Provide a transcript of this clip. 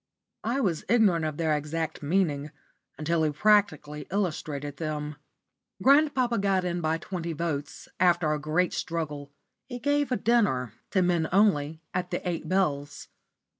I was ignorant of their exact meaning until he practically illustrated them. Grandpapa got in by twenty votes, after a great struggle. He gave a dinner, to men only, at the Eight Bells.